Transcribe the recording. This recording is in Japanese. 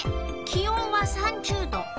気温は３０℃。